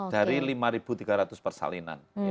dari lima tiga ratus persalinan